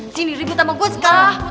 sini ribet sama gue sekarang